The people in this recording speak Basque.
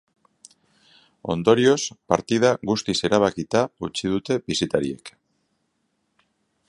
Ondorioz, partida guztiz erabakita utzi dute bisitariek.